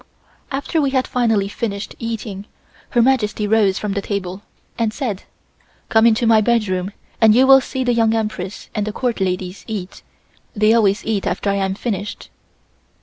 After we had finally finished eating, Her Majesty rose from the table and said: "Come into my bedroom and you will see the Young Empress and the Court ladies eat; they always eat after I am finished."